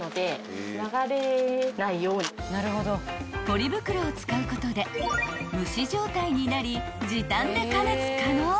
［ポリ袋を使うことで蒸し状態になり時短で加熱可能］